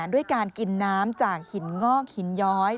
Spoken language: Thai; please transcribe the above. ด้วยการกินน้ำจากหินงอกหินย้อย